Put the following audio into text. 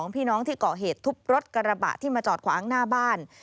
พี่น้องที่เกาะเหตุทุบรถกระบะที่มาจอดขวางหน้าบ้าน